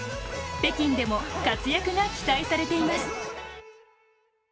北京でも活躍が期待されています。